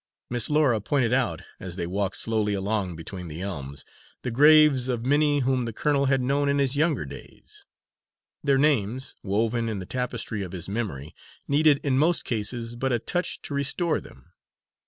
Miss Laura pointed out, as they walked slowly along between the elms, the graves of many whom the colonel had known in his younger days. Their names, woven in the tapestry of his memory, needed in most cases but a touch to restore them.